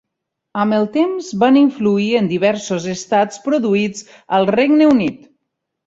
Amb el temps van influir en diversos estats produïts al Regne Unit.